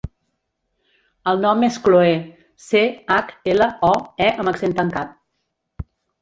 El nom és Chloé: ce, hac, ela, o, e amb accent tancat.